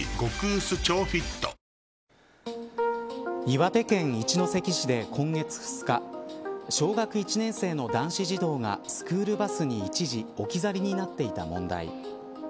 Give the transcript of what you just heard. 岩手県一関市で今月２日小学１年生の男子児童がスクールバスに一時置き去りになっていた問題。